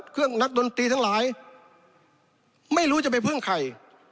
นักดนตรีทั้งหลายไม่รู้จะไปพึ่งใคร